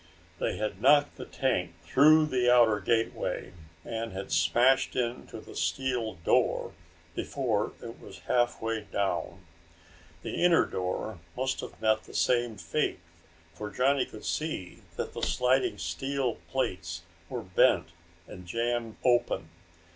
They had knocked the tank through the outer gateway and had smashed into the steel door before it was halfway down. The inner door must have met the same fate for Johnny could see that the sliding steel plates were bent and jammed open.